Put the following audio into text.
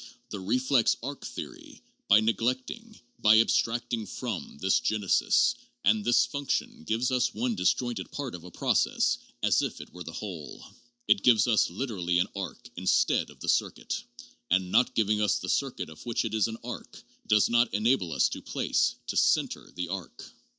The reflex arc theory, by neglecting, by abstracting from, this genesis and this function gives us one disjointed part of a pro cess as if it were the whole. It gives us literally an arc, in stead of the circuit ; and not giving us the circuit of which it is an arc, does not enable us to place, to center, the arc.